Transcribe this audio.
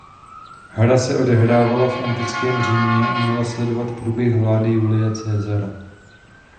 Hra se odehrávala v antickém Římě a měla sledovat průběh vlády Julia Caesara.